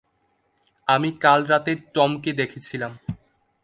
আমি কাল রাতে টমকে দেখেছিলাম।